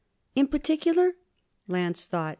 'In particular?' Lance thought.